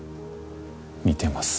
似てます